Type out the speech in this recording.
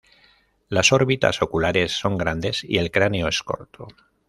Las órbitas oculares son grandes y el cráneo es corto.